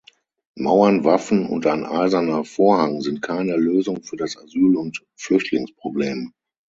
Mauern, Waffen und ein Eiserner Vorhang sind keine Lösung für das Asyl- und Flüchtlingsproblem.